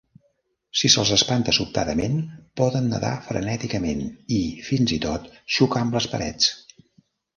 Si se'ls espanta sobtadament, poden nadar frenèticament i, fins i tot, xocar amb les parets.